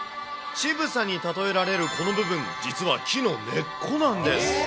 乳房に例えられるこの部分、実は木の根っこなんです。